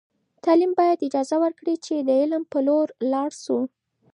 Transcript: تعلیم باید اجازه ورکړي چې د علم په لور لاړ سو.